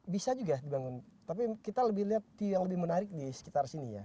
bisa juga dibangun tapi kita lebih lihat view yang lebih menarik di sekitar sini ya